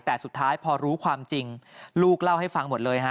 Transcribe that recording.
แต่สุดท้ายพอรู้ความจริงลูกเล่าให้ฟังหมดเลยฮะ